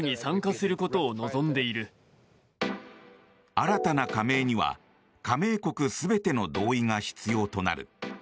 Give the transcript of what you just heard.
新たな加盟には加盟国全ての同意が必要となる。